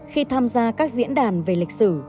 khi tham gia các diễn đàn về lịch sử